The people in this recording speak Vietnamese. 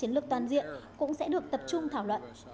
chiến lược toàn diện cũng sẽ được tập trung thảo luận